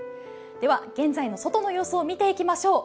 では現在の外の様子を見ていきましょう。